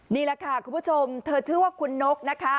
นี่แหละค่ะคุณผู้ชมเธอชื่อว่าคุณนกนะคะ